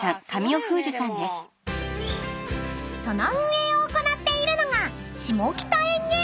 ［その運営を行っているのが］